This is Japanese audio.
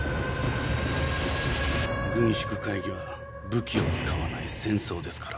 軍縮会議は武器を使わない戦争ですから。